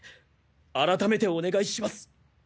改めてお願いします。